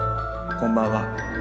こんばんは。